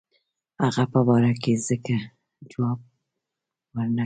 هغه په باره کې ځکه جواب ورنه کړ.